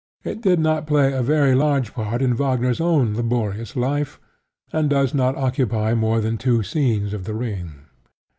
It did not play a very large part in Wagner's own laborious life, and does not occupy more than two scenes of The Ring.